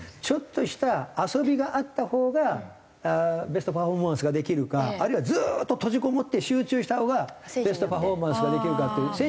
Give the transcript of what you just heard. ちょっとした遊びがあったほうがベストパフォーマンスができるかあるいはずーっと閉じこもって集中したほうがベストパフォーマンスができるかっていう。